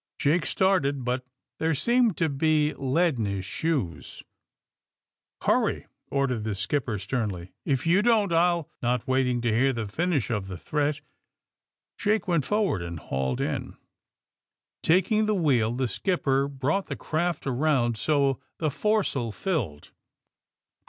'^ Jake started, but there seemed to be lead in his shoes. ^^ Hurry!"' ordered the skipper sternly. If you don't, I'll " Not waitins: to hear the finish of the threat '& Jake went forward and hauled in. Taking the AND THE SMUGGLEES 67 wheel the skipper broiight the craft around so that the foresail filled.